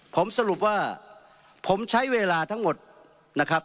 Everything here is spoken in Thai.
ผมสรุปว่าผมใช้เวลาทั้งหมดนะครับ